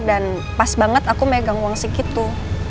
dan pas banget aku megang uang segitu